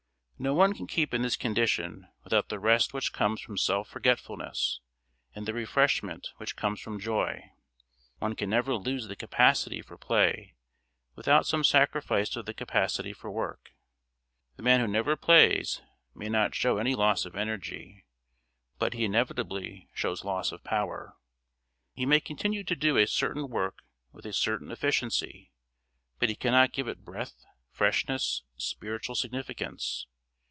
No one can keep in this condition without the rest which comes from self forgetfulness and the refreshment which comes from joy; one can never lose the capacity for play without some sacrifice of the capacity for work. The man who never plays may not show any loss of energy, but he inevitably shows loss of power; he may continue to do a certain work with a certain efficiency, but he cannot give it breadth, freshness, spiritual significance.